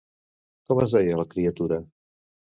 Com es deia la criatura?